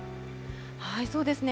そうですね。